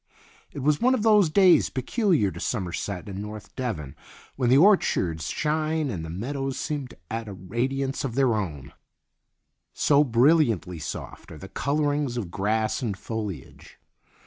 It was one of those days peculiar to Somerset and North Devon, when the orchards shine and the meadows seem to add a radiance of their own, so brilliantly soft are the colourings of grass and foliage.